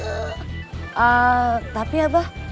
eh tapi abah